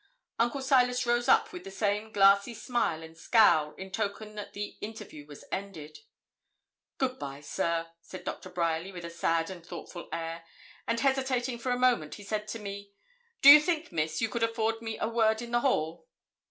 Uncle Silas rose up with the same glassy smile and scowl, in token that the interview was ended. 'Good bye, sir,' said Doctor Bryerly, with a sad and thoughtful air, and hesitating for a moment, he said to me, 'Do you think, Miss, you could afford me a word in the hall?'